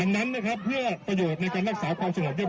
ดังนั้นนะครับเพื่อประโยชน์ในการรักษาประวังสงครามเย็ม